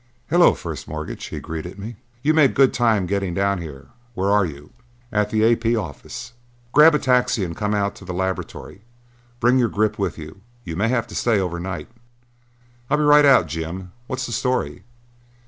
"Hello, First Mortgage," he greeted me. "You made good time getting down here. Where are you?" "At the A. P. Office." "Grab a taxi and come out to the laboratory. Bring your grip with you: you may have to stay over night." "I'll be right out, Jim. What's the story?"